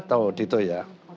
tahu dito ya